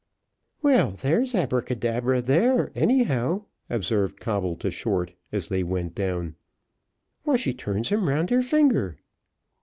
"Well, there's Abacadabra there, anyhow," observed Coble to Short, as they went down. "Why she turns him round her finger."